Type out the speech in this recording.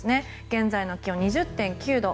現在の気温は２０．９度。